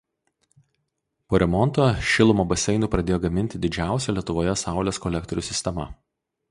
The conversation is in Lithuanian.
Po remonto šilumą baseinui pradėjo gaminti didžiausia Lietuvoje saulės kolektorių sistema.